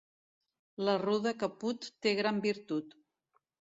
La ruda que put té gran virtut.